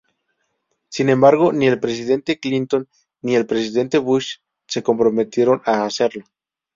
Sin embargo, ni el presidente Clinton ni el presidente Bush se comprometieron a hacerlo.